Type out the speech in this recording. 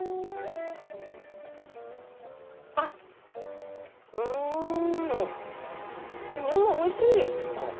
あっうん干物おいしい。